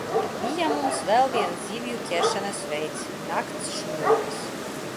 Bija mums vēl viens zivju ķeršanas veids – nakts šņores.